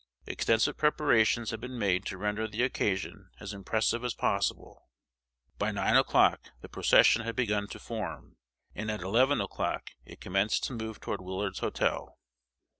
Extensive preparations had been made to render the occasion as impressive as possible. By nine o'clock the procession had begun to form, and at eleven o'clock it commenced to move toward Willard's Hotel.